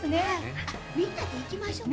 あっみんなで行きましょう。